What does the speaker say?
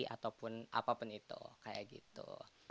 ataupun apapun itu kayak gitu